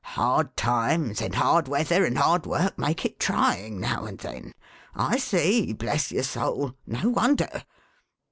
Hard times, and hard weather, and hard work, make it trying now and then. I see, bless your soul ! No wonder